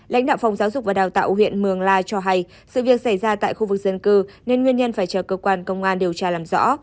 lãnh đạo phòng giáo dục và đào tạo huyện mường la cho hay sự việc xảy ra tại khu vực dân cư nên nguyên nhân phải chờ cơ quan công an điều tra làm rõ